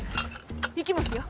いきますよ。